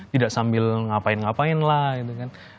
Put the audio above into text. tidak sambil ngapain ngapain lah gitu kan